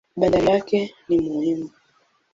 Bandari yake ni muhimu.